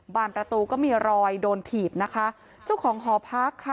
ประตูก็มีรอยโดนถีบนะคะเจ้าของหอพักค่ะ